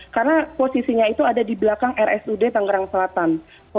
karena posisinya itu ada di belakang rsud tangerang selatan